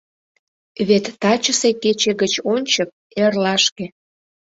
Вет тачысе кече гыч ончык, эрлашке